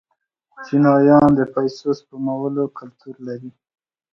چینایان د پیسو سپمولو کلتور لري.